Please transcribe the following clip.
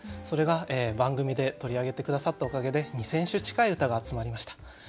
それが番組で取り上げて下さったおかげで二千首近い歌が集まりました。